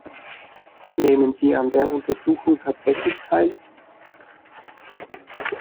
Nehmen sie an der Untersuchung tatsächlich teil?